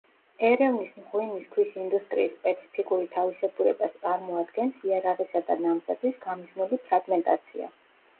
ერევნის მღვიმის ქვის ინდუსტრიის სპეციფიკური თავისებურებას წარმოადგენს იარაღისა და ნამზადის გამიზნული ფრაგმენტაცია.